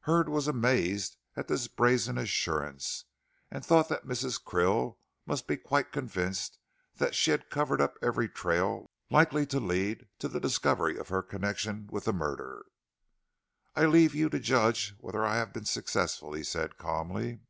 Hurd was amazed at this brazen assurance, and thought that Mrs. Krill must be quite convinced that she had covered up every trail likely to lead to the discovery of her connection with the murder. "I'll leave you to judge whether I have been successful," he said calmly.